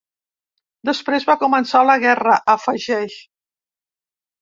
Després va començar la guerra, afegeix.